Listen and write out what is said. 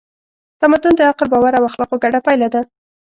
تمدن د عقل، باور او اخلاقو ګډه پایله ده.